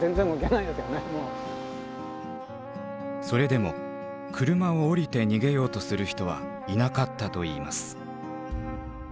それでも車を降りて逃げようとする人はいなかったといいます。